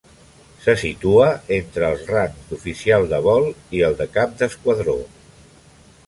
Se situa entre els rangs d'Oficial de Vol i el de Cap d'Esquadró.